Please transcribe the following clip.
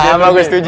sama gue setuju